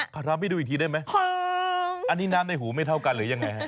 ทำให้ดูอีกทีได้ไหมอันนี้น้ำในหูไม่เท่ากันหรือยังไงฮะ